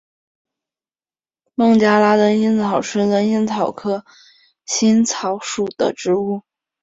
孟加拉灯心草是灯心草科灯心草属的植物。